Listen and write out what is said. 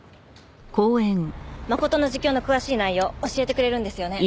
真琴の自供の詳しい内容教えてくれるんですよね？